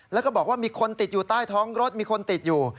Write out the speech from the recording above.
แล้วก็บอกว่ามีคนติดอยู่ใต้ท้องรถมีคนติดอยู่